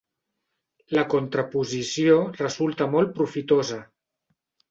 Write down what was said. La contraposició resulta molt profitosa.